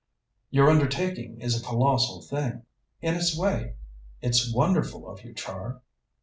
"Your undertaking is a colossal thing, in its way. It's wonderful of you, Char!"